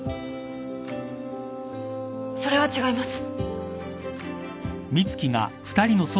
それは違います。